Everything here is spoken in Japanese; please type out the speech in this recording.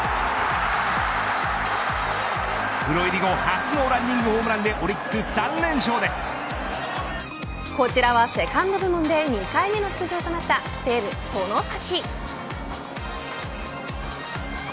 プロ入り後初のランニングホームランでこちらはセカンド部門で２回目の出場となった西武、外崎。